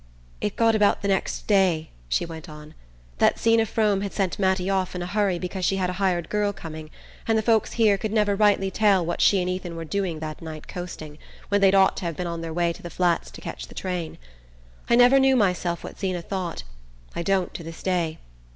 "It got about the next day," she went on, "that Zeena Frome had sent Mattie off in a hurry because she had a hired girl coming, and the folks here could never rightly tell what she and Ethan were doing that night coasting, when they'd ought to have been on their way to the Flats to ketch the train... I never knew myself what Zeena thought I don't to this day.